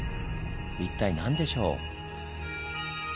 一体何でしょう？